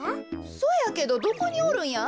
そやけどどこにおるんや？